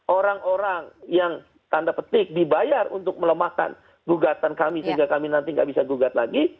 orang orang yang tanda petik dibayar untuk melemahkan gugatan kami sehingga kami nanti nggak bisa gugat lagi